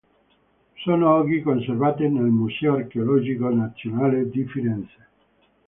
Sono oggi conservate nel Museo archeologico nazionale di Firenze.